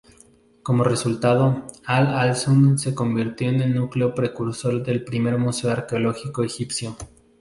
Como resultado, Al-Alsun se convirtió en el núcleo precursor del primer museo arqueológico egipcio.